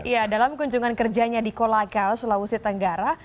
iya dalam kunjungan kerjanya di kolaka sulawesi tenggara